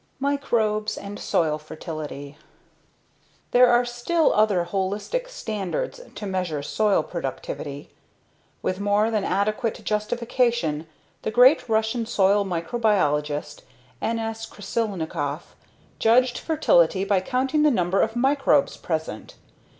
Microbes and Soil Fertility There are still other holistic standards to measure soil productivity. With more than adequate justification the great Russian soil microbiologist N.S. Krasilnikov judged fertility by counting the numbers of microbes present.